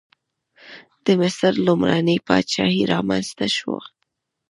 د مصر لومړنۍ پاچاهي رامنځته شوه.